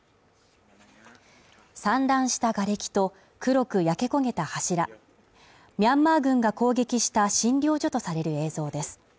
散乱したがれきと黒く焼け焦げた柱ミャンマー軍が攻撃した診療所とされる映像です。